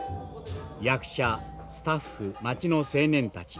役者スタッフ町の青年たち。